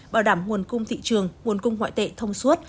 bảo đảm nguồn cung thị trường nguồn cung ngoại tệ thông suốt